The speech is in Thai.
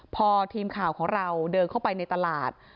พอทีมข่าวของเราเดินเข้าไปในตลาด